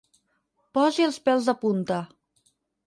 Posi els pèls de punta.